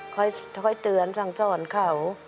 ค่อยเตือนสั่งสอนเขา